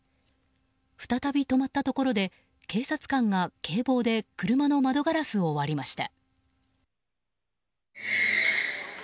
再び止まったところで警察官が警棒で車の窓ガラスを割りました。